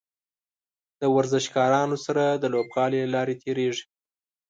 د ورزشکارانو سره د لوبغالي له لارې تیریږي.